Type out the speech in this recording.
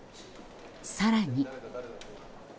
更に。